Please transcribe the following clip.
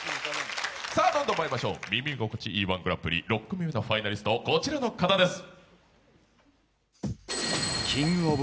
どんどんまいりましょう、「耳心地いい−１グランプリ」６組目のファイナリスト、こちらの方です。